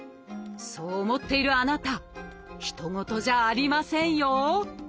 そう思っているあなたひと事じゃありませんよ！